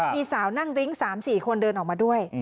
มีสาวนั่งริ้ง๓๔คนเดินออกมาด้วย